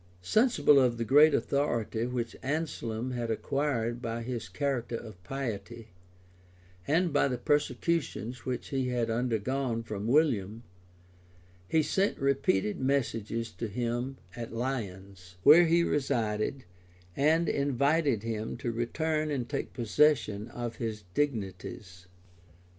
Sensible of the great authority which Anselm had acquired by his character of piety, and by the persecutions which he had undergone from William, he sent repeated messages to him at Lyons, where he resided, and invited him to return and take possession of his dignities.